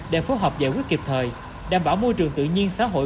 để phù hợp giải quyết kịp thời đảm bảo môi trường tự nhiên xã hội